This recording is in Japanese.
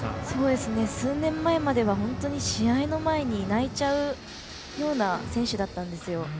数年前までは試合の前に泣いちゃうような選手だったんですよ。